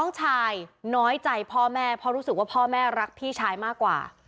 น้องชายน้อยใจพ่อแม่เพราะรู้สึกว่าพ่อแม่รักพี่ชายมากกว่า